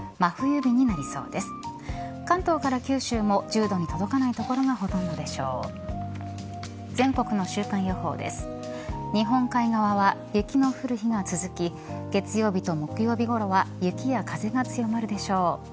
日本海側は雪の降る日が続き月曜日と木曜日ごろは雪や風が強まるでしょう。